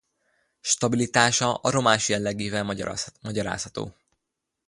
Stabilitása aromás jellegével magyarázható.